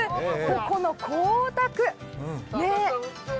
この光沢。